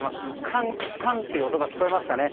カンカンという音が聞こえますかね。